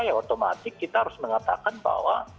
ya otomatis kita harus mengatakan bahwa